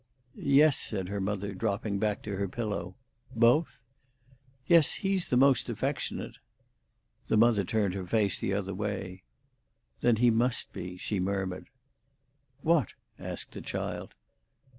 "Yes," said her mother, dropping back to her pillow. "Both?" "Yes; he's the most affectionate." The mother turned her face the other way. "Then he must be," she murmured. "What?" asked the child.